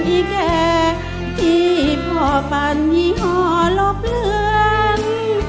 อีกแก่ที่พ่อปันยี่ห้อลบเหลือง